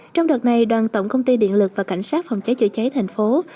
trong đợt này đoàn tổng công ty điện lực và cảnh sát phòng cháy chữa cháy tp hcm